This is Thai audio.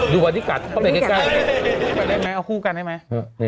ดูวันนี้กัดเอาคู่กันได้ไหม